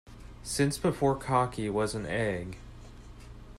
Since before cocky was an egg.